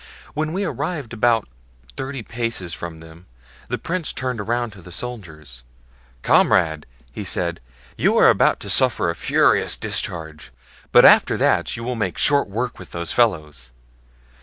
When we arrived about thirty paces from them the prince turned around to the soldiers: 'Comrades,' he said, 'you are about to suffer a furious discharge; but after that you will make short work with those fellows.